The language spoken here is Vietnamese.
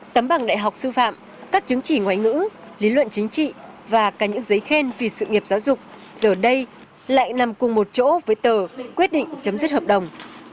tấm bằng đại học sư phạm các chứng chỉ ngoại ngữ lý luận chính trị và cả những giấy khen vì sự nghiệp giáo dục giờ đây lại nằm cùng một chỗ với tờ quyết định chấm dứt hợp đồng